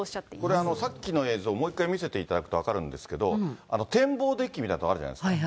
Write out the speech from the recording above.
これ、さっきの映像、もう一回見せていただくと分かるんですけど、展望デッキみたいな所あるじゃないですか。